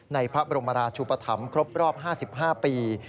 ในพระบรมราชุปธรรมครบรอบ๕๕ปี